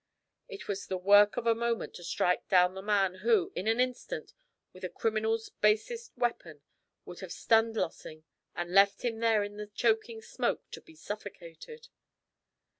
It was the work of a moment to strike down the man who, in an instant, with a criminal's basest weapon, would have stunned Lossing and left him there in the choking smoke to be suffocated.